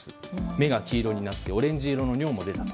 目が黄色になってオレンジ色の尿も出たと。